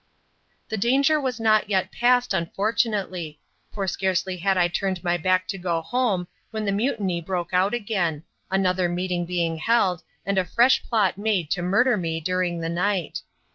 The danger was not yet past, unfortunately, for scarcely had I turned my back to go home when the mutiny broke out again, another meeting being held, and a fresh plot made to murder me during the night.